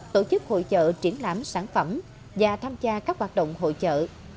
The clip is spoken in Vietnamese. tổ chức hội trợ triển lãm sản phẩm và tham gia các hoạt động hội trợ